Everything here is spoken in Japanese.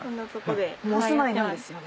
お住まいなんですよね？